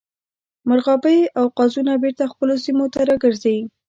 مرغابۍ او قازونه بیرته خپلو سیمو ته راګرځي